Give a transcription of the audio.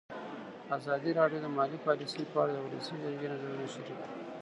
ازادي راډیو د مالي پالیسي په اړه د ولسي جرګې نظرونه شریک کړي.